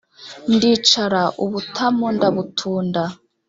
ndicara ubutama ndabutunda;